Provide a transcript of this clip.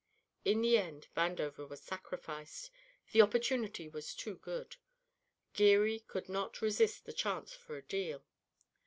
In the end Vandover was sacrificed the opportunity was too good Geary could not resist the chance for a "deal."